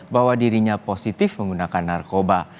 bahwa dirinya positif menggunakan narkoba